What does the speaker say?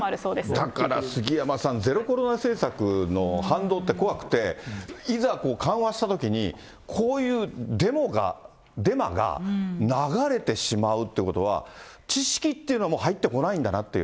だから杉山さん、ゼロコロナ政策の反動って怖くて、いざ、緩和したときに、こういうデマが流れてしまうということは、知識っていうのは入ってこないんだなっていう。